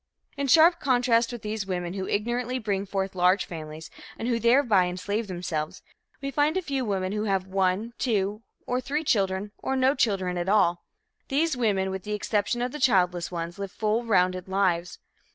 In sharp contrast with these women who ignorantly bring forth large families and who thereby enslave themselves, we find a few women who have one, two or three children or no children at all. These women, with the exception of the childless ones, live full rounded lives.